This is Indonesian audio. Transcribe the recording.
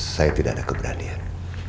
saya tidak ada keberanian